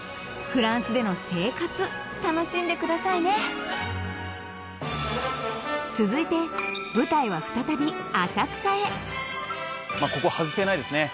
フランスでの生活楽しんでくださいね続いて舞台は再び浅草へまあここ外せないですね